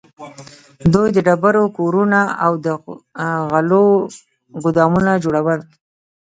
دوی د ډبرو کورونه او د غلو ګودامونه جوړول.